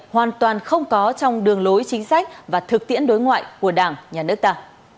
hoàn toàn không có trong đường lối chính sách và thực tiễn đối ngoại của đảng nhà nước ta